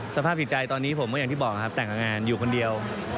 สภาพจิตใจตอนนี้ผมก็อย่างที่บอกครับแต่งกับงานอยู่คนเดียว